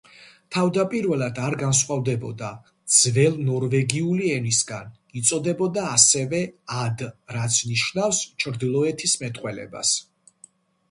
თავდაპირველად არ განსხვავდებოდა ძველნორვეგიული ენისგან, იწოდებოდა ასევე „-ად“, რაც ნიშნავს „ჩრდილოეთის მეტყველებას“.